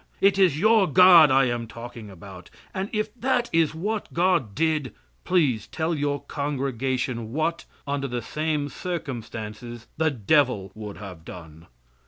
It is your God I am talking about, and if that is what God did, please tell your congregation what, under the same circumstances, the devil would have done.